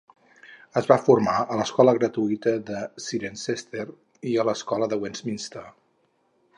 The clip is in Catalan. Es va formar a l'escola gratuïta de Cirencester i a l'escola de Westminster.